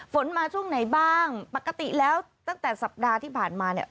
ฝนมาช่วงไหนบ้างปกติแล้วตั้งแต่สัปดาห์ที่ผ่านมาเนี่ย